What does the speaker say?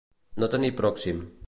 No tenir pròxim.